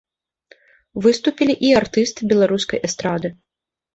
Выступілі і артысты беларускай эстрады.